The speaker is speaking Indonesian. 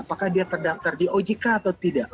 apakah dia terdaftar di ojk atau tidak